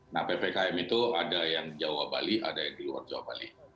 nah ppkm itu ada yang jawa bali ada yang di luar jawa bali